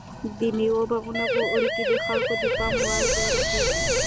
د مېوې باغونه په اوړي کې د خلکو د پام وړ ګرځي.